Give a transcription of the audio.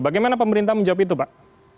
bagaimana pemerintah menjawab itu pak